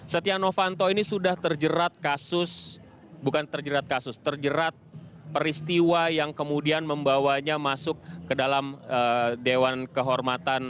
setia novanto ini sudah terjerat kasus bukan terjerat kasus terjerat peristiwa yang kemudian membawanya masuk ke dalam dewan kehormatan